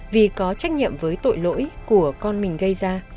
vì có trách nhiệm với tội lỗi của con mình gây ra